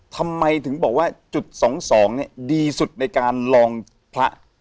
ทำไมถึงบอกว่าจุดสองสองเนี่ยดีสุดในการลองพระ